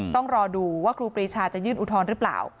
ต้องรอดูว่าครูปรีชาจะยื่นอุทธรณ์หรือเปล่า